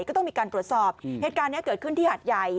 ก็ต้องมีการตรวจสอบเหตุการณ์นี้เกิดขึ้นที่หัดใหญ่